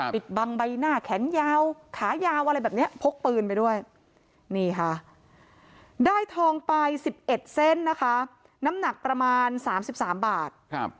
ปิดบังใบหน้าแขนยาวขายาวอะไรแบบนี้พกปืนไปด้วยนี่ค่ะได้ทองไป๑๑เส้นนะคะน้ำหนักประมาณ๓๓บาท